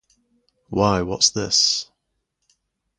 Why, what’s this?